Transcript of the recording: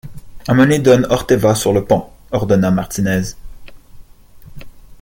Amenez don Orteva sur le pont, » ordonna Martinez